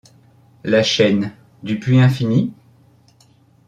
La chaîne, du puits infini ?